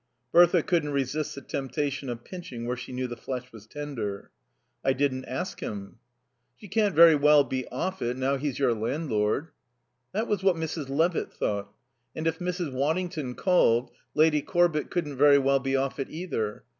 Bertha couldn't resist the temptation of pinching where she knew the flesh was tender. "I didn't ask him." "She can't very well be off it, now he's your landlord." That was what Mrs. Levitt thought. And if Mrs. Waddington called, Lady Corbett couldn't very well be off it either.